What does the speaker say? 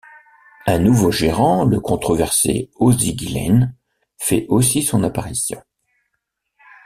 Un nouveau gérant, le controversé Ozzie Guillén, fait aussi son apparition.